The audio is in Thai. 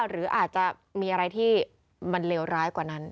หรืออาจจะมีอะไรที่มันเลวร้ายกว่านั้น